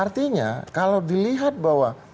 artinya kalau dilihat bahwa